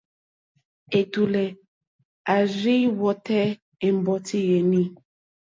Ɛ̀tùlɛ̀ à rzí wɔ́tè ɛ̀mbɔ́tí yèní.